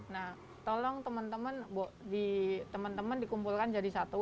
nah tolong teman teman dikumpulkan jadi satu